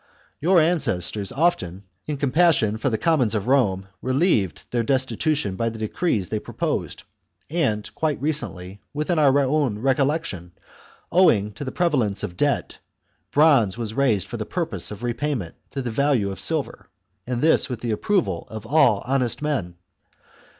Your ancestors often, in compassion for the commons of Rome, relieved their destitution by the decrees they proposed ; and, quite recently, within our own recollection, owing to the prevalence of debt, bronze was raised for purposes of repayment to the value of silver, and this with the approval of all honest men.